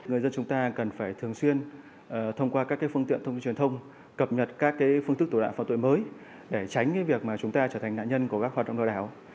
người dân chúng ta cần phải thường xuyên thông qua các cái phương tiện thông tin truyền thông cập nhật các cái phương tức tổ đạo phạm tội mới để tránh cái việc mà chúng ta trở thành nạn nhân của các hoạt động lừa đảo